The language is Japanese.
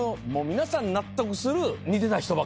皆さん納得する似てた人ばっかり。